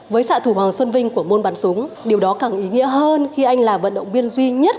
với xạ thủ hoàng xuân vinh của môn bắn súng điều đó càng ý nghĩa hơn khi anh là vận động viên duy nhất